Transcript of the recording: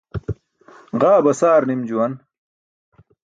Ġa basaar nim juwan.